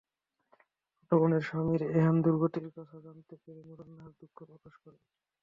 ছোট বোনের স্বামীর এহেন দুর্গতির কথা জানতে পেরে নুরুন্নাহার দুঃখ প্রকাশ করেন।